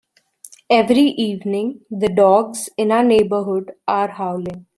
Every evening, the dogs in our neighbourhood are howling.